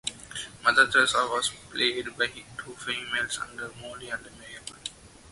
Mother Teresa was played by two females, Molly and Mabel.